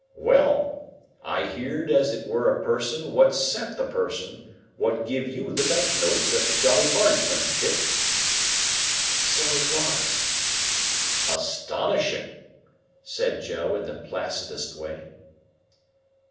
"Well! I heerd as it were a person what sent the person what giv' you the bank notes at the Jolly Bargemen, Pip." "So it was." "Astonishing!" said Joe, in the placidest way.